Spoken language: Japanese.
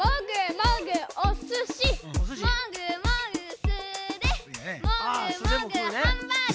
もぐもぐハンバーグ！